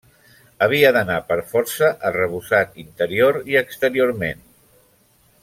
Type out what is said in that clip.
Havia d'anar per força arrebossat interior i exteriorment.